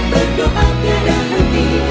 berdoa tiada henti